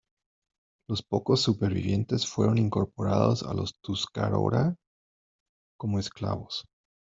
Los pocos supervivientes fueron incorporados a los tuscarora como esclavos.